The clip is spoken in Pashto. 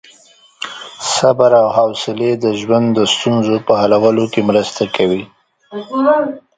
صبر او حوصلې د ژوند د ستونزو په حلولو کې مرسته کوي.